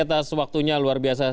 atas waktunya luar biasa